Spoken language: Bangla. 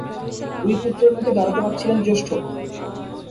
দুই পুত্রের মধ্যে দ্বারকানাথ ছিলেন জ্যেষ্ঠ।